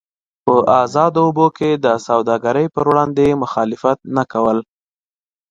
په ازادو اوبو کې د سوداګرۍ پر وړاندې مخالفت نه کول.